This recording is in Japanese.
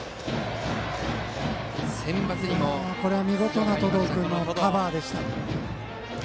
これは見事な登藤君のカバーでした。